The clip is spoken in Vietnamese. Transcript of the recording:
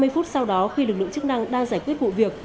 ba mươi phút sau đó khi lực lượng chức năng đang giải quyết vụ việc